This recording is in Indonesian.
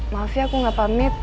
maaf ya aku gak pamit